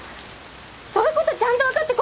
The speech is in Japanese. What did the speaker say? そういうことちゃんと分かって